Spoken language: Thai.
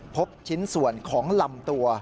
พบชิ้นส่วนของลำตัว